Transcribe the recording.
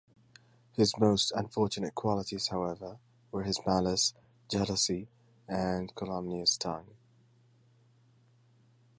His most unfortunate qualities, however, were his malice, jealousy, and calumnious tongue.